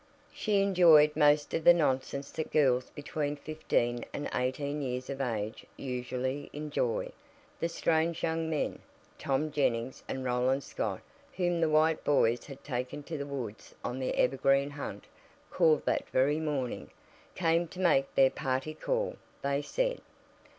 She enjoyed most of the nonsense that girls between fifteen and eighteen years of age usually enjoy. The strange young men, Tom Jennings and Roland Scott, whom the White boys had taken to the woods on the "evergreen hunt," called that very morning came to make their "party call," they said.